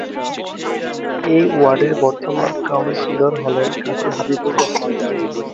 এ ওয়ার্ডের বর্তমান কাউন্সিলর হলেন কাজী হাবিবুর রহমান।